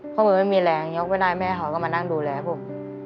เพราะมันไม่มีแรงยกไม่ได้แม่เขาก็มานั่งดูแลผม